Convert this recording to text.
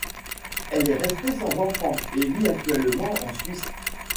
Elle est restée sans enfant et vit actuellement en Suisse.